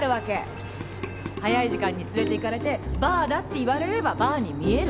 早い時間に連れて行かれてバーだって言われればバーに見える。